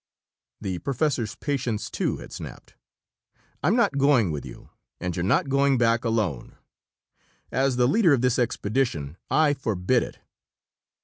The professor's patience, too, had snapped. "I'm not going with you, and you're not going back alone! As the leader of this expedition, I forbid it!"